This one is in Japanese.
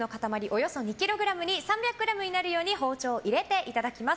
およそ２ｋｇに３００ｇになるように包丁を入れていただきます。